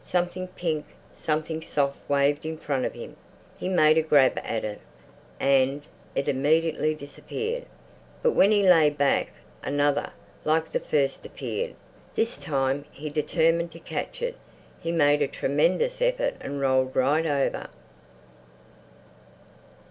Something pink, something soft waved in front of him. He made a grab at it and it immediately disappeared. But when he lay back, another, like the first, appeared. This time he determined to catch it. He made a tremendous effort and rolled right over.